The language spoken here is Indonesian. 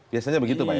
biasanya begitu pak ya